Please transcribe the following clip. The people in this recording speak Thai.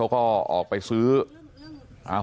เอาไว้ไปเรียนต่อ